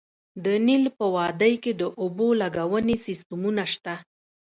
د نیل په وادۍ کې د اوبو لګونې سیستمونه شته